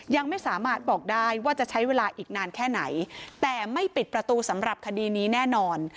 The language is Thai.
ยังไม่สามารถบอกได้ว่าจะใช้เวลาอีกนานแค่ไหนแต่ไม่ปิดประตูสำหรับคดีนี้แน่นอน